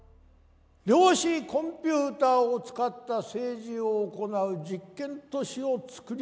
量子コンピューターを使った政治を行う実験都市を作り上げました。